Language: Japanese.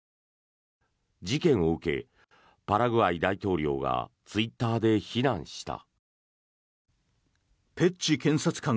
事件を受けパラグアイ大統領がツイッターで非難した。